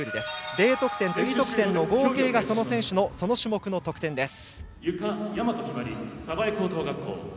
Ｄ得点とＥ得点の合計がその選手のその種目の得点です。